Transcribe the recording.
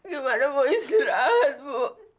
gimana mau istirahat bu